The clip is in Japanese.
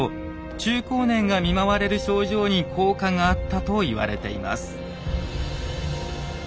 中高年が見舞われる症状に効果があったと言われています。